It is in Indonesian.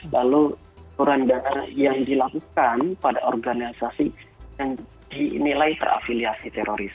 lalu aturan dana yang dilakukan pada organisasi yang dinilai terafiliasi teroris